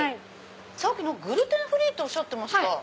さっきグルテンフリーっておっしゃってました？